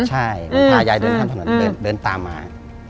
ใช่เหมือนพายายเดินข้ามถนนเดินตามมา